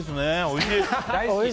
おいしい。